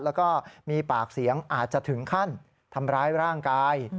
แล้วก็มีปากเสียงอาจจะถึงขั้นทำร้ายร่างกาย